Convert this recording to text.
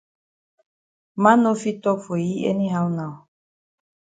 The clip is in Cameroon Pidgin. Man no fit tok for yi any how now.